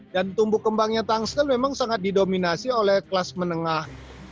dan tumbuh kembangnya tangsel memang sangat didominasi oleh kelas menengah